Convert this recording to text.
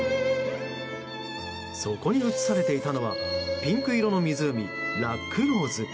そこに映されていたのはピンク色の湖、ラック・ローズ。